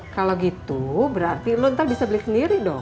kalau gitu berarti lu ntar bisa beli sendiri dong